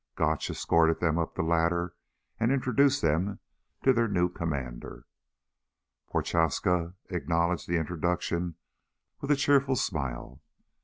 Gotch escorted them up the ladder and introduced them to their new Commander. Prochaska acknowledged the introduction with a cheerful smile.